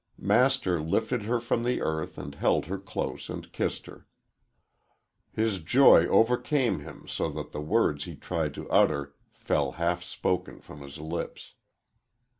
Master lifted her from the earth and held her close and kissed her. His joy overcame him so that the words he tried to utter fell half spoken from his lips.